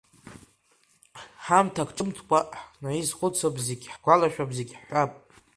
Ҳамҭак ҿымҭкәа ҳнаизхәыцып, зегь ҳгәалашәап, зегь ҳҳәап.